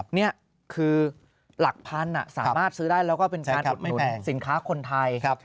นี่คือหลักพันธุ์สามารถซื้อได้แล้วก็เป็นการสินค้าคนไทย